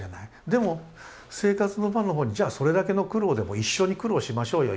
でも生活の場の方に「じゃそれだけの苦労でも一緒に苦労しましょうよ」